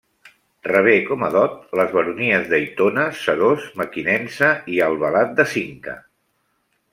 Rebé com a dot les baronies d'Aitona, Seròs, Mequinensa i Albalat de Cinca.